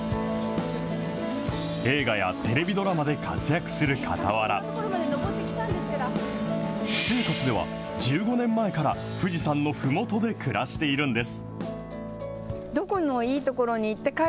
映画やテレビドラマで活躍するかたわら、私生活では、１５年前から富士山のふもとで暮らしているんです。